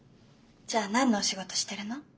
じゃあ何のお仕事してるの？